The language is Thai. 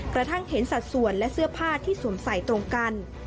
กระทั่งเห็นสัดส่วนและเสื้อผ้าที่สวมใส่ตรงกัน